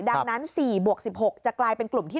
ดังนั้น๔บวก๑๖จะกลายเป็นกลุ่มที่๓